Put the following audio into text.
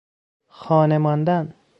خانه ماندن